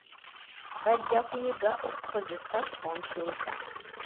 Bajja kuyiga okukozesa kompyuta.